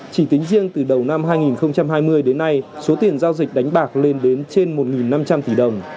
chỉ tính riêng từ đầu năm hai nghìn hai mươi đến nay số tiền giao dịch đánh bạc lên đến trên một năm trăm linh tỷ đồng